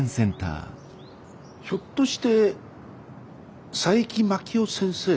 ひょっとして佐伯真樹夫先生の？